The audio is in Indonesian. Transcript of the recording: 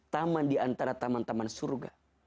taman di antara taman taman surga